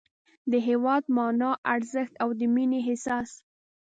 د هېواد مانا، ارزښت او د مینې احساس